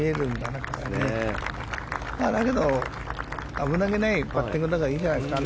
危なげないパッティングだから大丈夫じゃないですか。